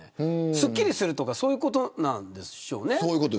すっきりするとかそういうことなんでしょうね。